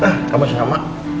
hah kamu sama